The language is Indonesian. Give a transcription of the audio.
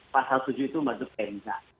pasal tujuh itu membantu tni